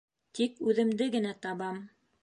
Тик үҙемде генә табам!